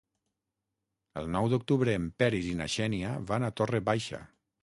El nou d'octubre en Peris i na Xènia van a Torre Baixa.